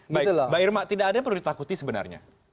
baik mbak irma tidak ada yang perlu ditakuti sebenarnya